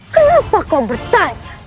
kenapa kau bertanya